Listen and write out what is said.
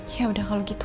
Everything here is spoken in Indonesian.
yaudah kalau gitu